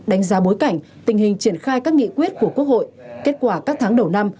đánh giá bối cảnh tình hình triển khai các nghị quyết của quốc hội kết quả các tháng đầu năm